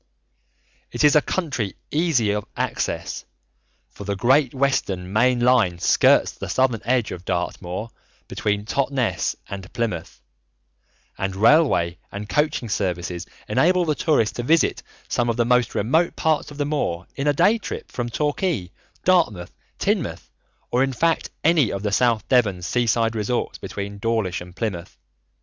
It is a country easy of access, for the Great Western main line skirts the southern edge of Dartmoor between Totnes and Plymouth, and railway and coaching services enable the tourist to visit some of the most remote parts of the moor in a day trip from Torquay, Dartmouth, Teignmouth, or in fact any of the South Devon seaside resorts between Dawlish and Plymouth.